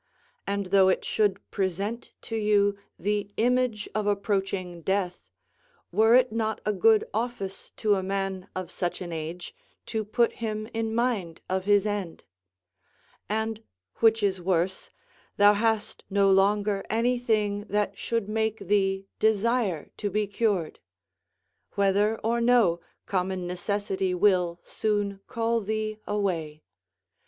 And though it should present to you the image of approaching death, were it not a good office to a man of such an age, to put him in mind of his end? And, which is worse, thou hast no longer anything that should make thee desire to be cured. Whether or no, common necessity will soon call thee away.